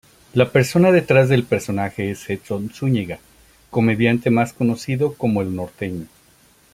La persona detrás del personaje es Edson Zúñiga, comediante más conocido como "El Norteño".